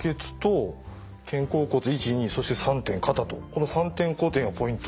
この３点固定がポイント。